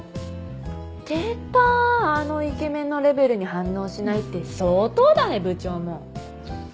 出たあのイケメンのレベルに反応しないって相当だね部長も。